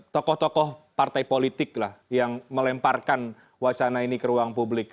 tokoh tokoh partai politik lah yang melemparkan wacana ini ke ruang publik